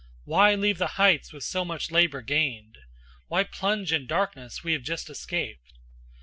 Why leave the heights with so much labor gained? Why plunge in darkness we have just escaped?